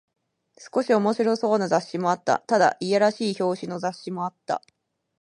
少し面白そうな雑誌もあった。ただ、いやらしい表紙の雑誌もあった。